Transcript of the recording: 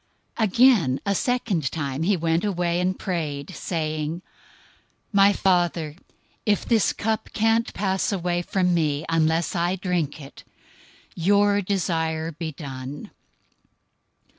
026:042 Again, a second time he went away, and prayed, saying, "My Father, if this cup can't pass away from me unless I drink it, your desire be done."